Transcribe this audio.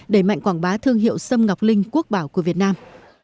đẩy mạnh quảng bá thương hiệu sâm ngọc linh quốc bảo của việt nam